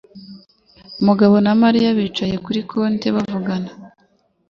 Mugabo na Mariya bicaye kuri konti bavugana.